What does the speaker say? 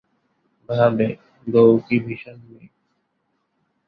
ভাবে, বউ কী ভীষণ মেয়ে।